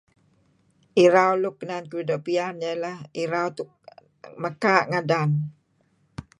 Irau luk iyan uih doo' piyan ialah irau mekaa' ngadan.